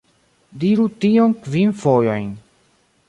Diru tion kvin fojojn